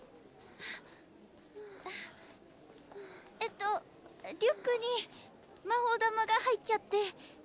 ハァハァえっとリュックに魔法玉が入っちゃって。